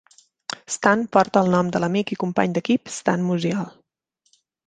Stan porta el nom de l'amic i company d'equip Stan Musial.